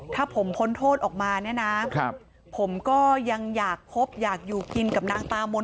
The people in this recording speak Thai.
ถ้าผมพ้นโทษออกมาเนี่ยนะผมก็ยังอยากคบอยากอยู่กินกับนางตามน